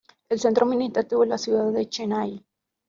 El centro administrativo es la ciudad de Chennai.